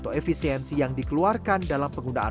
yang dikeluarkan dalam penggunaan yang dikeluarkan dalam penggunaan